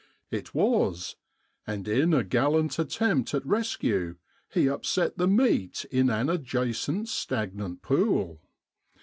It was ; and in a gallant attempt at rescue he upset the meat in an adjacent stagnant pool.